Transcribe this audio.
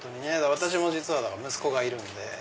私も実は息子がいるんで。